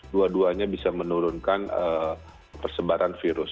dua duanya bisa menurunkan persebaran virus